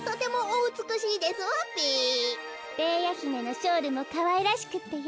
ベーヤひめのショールもかわいらしくってよ。